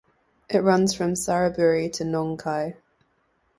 It runs from Saraburi to Nong Khai.